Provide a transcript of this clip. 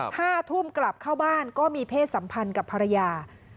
ห้าทุ่มกลับเข้าบ้านก็มีเพศสัมพันธ์กับภรรยา